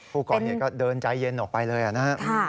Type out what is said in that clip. ผู้กรเนี่ยก็เดินใจเย็นออกไปเลยอะนะคะ